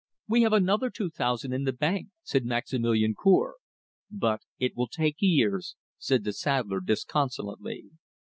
"We have another two thousand in the bank," said Maximilian Cour. "But it will take years," said the saddler disconsolately.